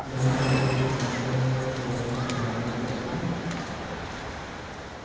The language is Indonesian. ini adalah domisi sementara